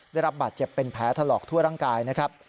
ได้รับบาดเจ็บเป็นแผลถลอกทั่วร่างกายนะครับ